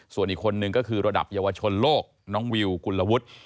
ส่วนอีกคนนึงก็คือระดับเยาวชนโลกน้องวิวกุลวุฒิ